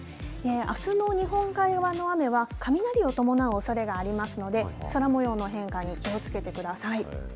あすの日本海側の雨は、雷を伴うおそれがありますので、空もようの変化に気をつけてください。